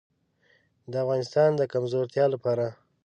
د افغانستان د کمزورتیا لپاره.